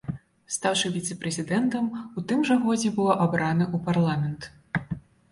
Стаўшы віцэ-прэзідэнтам, у тым жа годзе быў абраны ў парламент.